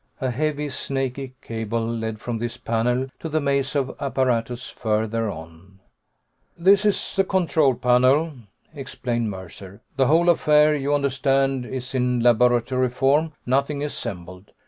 A heavy, snaky cable led from this panel to the maze of apparatus further on. "This is the control panel," explained Mercer. "The whole affair, you understand, is in laboratory form. Nothing assembled.